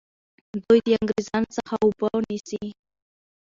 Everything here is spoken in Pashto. دوی د انګریزانو څخه اوبه نیسي.